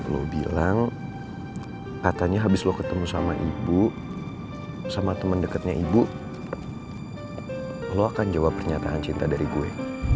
lo bilang katanya habis lo ketemu sama ibu sama teman dekatnya ibu lo akan jawab pernyataan cinta dari gue